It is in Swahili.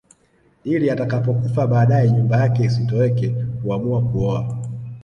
Ili atakapokufa baadae nyumba yake isitoweke huamua kuoa